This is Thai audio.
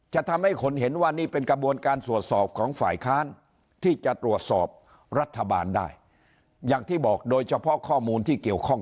จะทำให้คนเห็นว่านี่เป็นกระบวนการตรวจสอบของฝ่ายค้านที่จะตรวจสอบรัฐบาลได้อย่างที่บอกโดยเฉพาะข้อมูลที่เกี่ยวข้อง